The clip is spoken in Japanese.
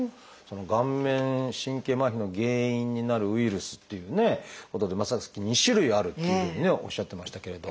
顔面神経麻痺の原因になるウイルスっていうことでさっき２種類あるっていうふうにおっしゃってましたけれど。